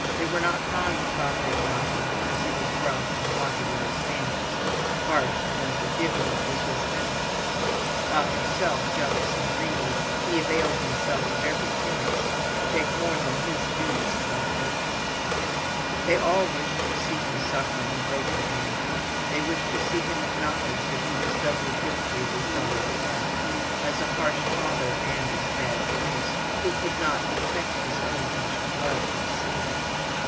They were not fond of Father Ignaty, because he was rough and haughty in his manners, harsh and unforgiving with his penitents, while, himself jealous and greedy, he availed himself of every chance to take more than his dues from a parishioner. They all wished to see him suffering, broken down; they wished to see him acknowledge that he was doubly guilty of his daughter's death—as a harsh father, and as a bad priest, who could not protect his own flesh and blood from sin.